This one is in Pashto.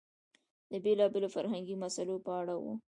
د بېلابېلو فرهنګي مسئلو په اړه و.